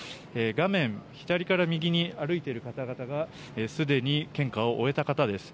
画面左から右に歩いている方々がすでに献花を終えた方です。